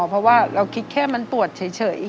เพราะว่าเราคิดแค่มันตรวจเฉย